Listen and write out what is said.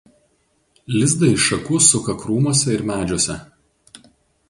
Lizdą iš šakų suka krūmuose ir medžiuose.